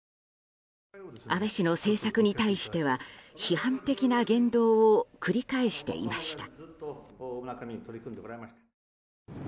安倍氏の政策に対しては批判的な言動を繰り返していました。